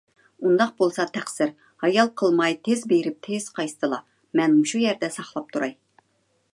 ئۇنداق بولسا تەقسىر، ھايال قىلماي تېز بېرىپ تېز قايتسىلا! مەن مۇشۇ يەردە ساقلاپ تۇراي.